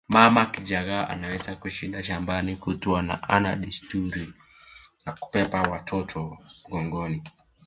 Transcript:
Mama wa Kichagga anaweza kushinda shambani kutwa na hana desturi ya kubeba watoto mgongoni